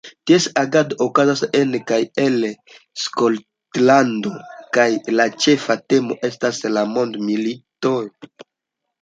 Ties agado okazas en kaj el Skotlando kaj la ĉefa temo estas la mondmilitoj.